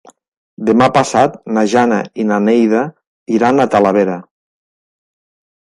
Demà passat na Jana i na Neida iran a Talavera.